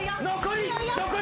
残り。